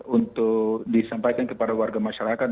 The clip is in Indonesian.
untuk disampaikan kepada warga masyarakat